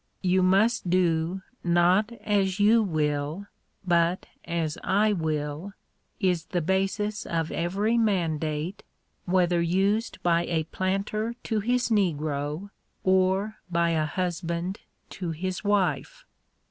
" You must do not as you will, but as I will," is the basis of every mandate, whether used by a planter to his negro, or by a husband to his wife.